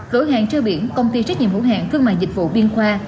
cửa hàng trơ biển công ty trách nhiệm hữu hạn thương mạng dịch vụ biên khoa